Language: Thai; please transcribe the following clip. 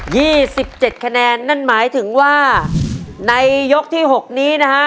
สิบเจ็ดคะแนนนั่นหมายถึงว่าในยกที่หกนี้นะฮะ